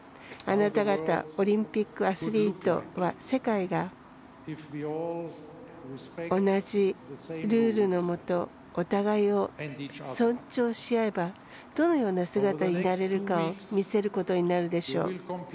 あなた方オリンピックアスリートは世界が同じルールのもとお互いを尊重しあえばどのような姿になれるかを見せることになるでしょう。